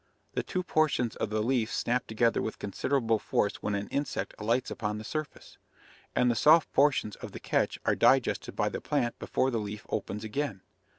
The two portions of the leaf snap together with considerable force when an insect alights upon the surface, and the soft portions of the catch are digested by the plant before the leaf opens again.